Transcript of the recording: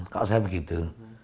kalau saya begitu